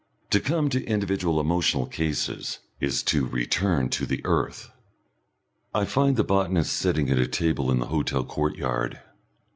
To come to individual emotional cases, is to return to the earth. I find the botanist sitting at a table in the hotel courtyard.